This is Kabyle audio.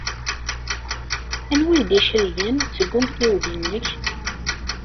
Anwa ay d-icelgen seg umtiweg-nnek?